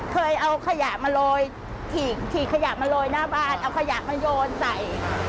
เคยเอาขยะมาโรยถีกขยะมาโรยหน้าบ้านเอาขยะมาโยนใส่